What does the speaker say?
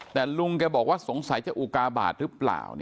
แต่ลุงแกบอกว่าสงสัยจะอุกาบาทหรือเปล่า